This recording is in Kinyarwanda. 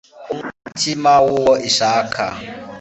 umutima w uwo ishaka